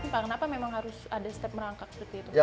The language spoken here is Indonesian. pak kenapa memang harus ada step merangkak seperti itu